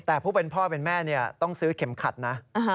แต่ผู้เป็นพ่อเป็นแม่ต้องซื้อเข็มขัดนะ